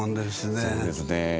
そうですね。